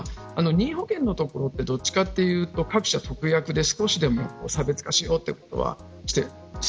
任意保険のところはどっちかというと、各社特約で少しでも差別化しようとすることはしている。